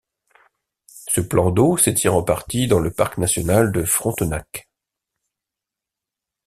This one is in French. Ce plan d'eau s'étire en partie dans le parc national de Frontenac.